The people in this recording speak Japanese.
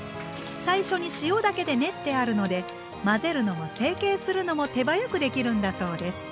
最初に塩だけで練ってあるので混ぜるのも成形するのも手早くできるんだそうです。